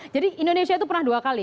indonesia itu pernah dua kali